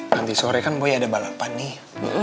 nanti sore kan boleh ada balapan nih